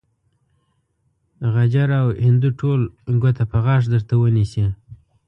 غجر او هندو ټول ګوته په غاښ درته ونيسي.